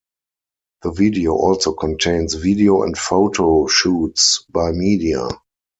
The video also contains video and photo shoots by media.